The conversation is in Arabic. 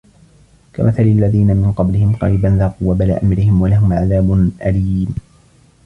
كَمَثَلِ الَّذينَ مِن قَبلِهِم قَريبًا ذاقوا وَبالَ أَمرِهِم وَلَهُم عَذابٌ أَليمٌ